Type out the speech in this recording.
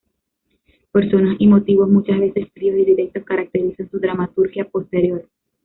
Personas y motivos muchas veces fríos y directos caracterizan su dramaturgia posterior.